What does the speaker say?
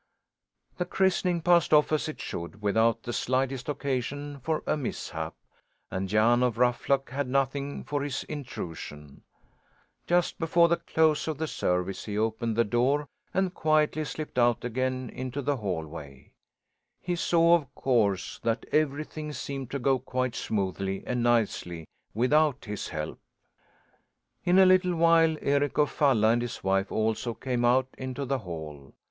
The christening passed off as it should without the slightest occasion for a mishap, and Jan of Ruffluck had nothing for his intrusion. Just before the close of the service he opened the door and quietly slipped out again, into the hallway. He saw of course that everything seemed to go quite smoothly and nicely without his help. In a little while Eric of Falla and his wife also came out into the hall.